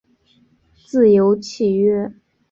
自由契约。